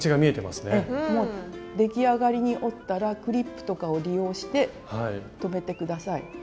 ええもう出来上がりに折ったらクリップとかを利用して留めて下さい。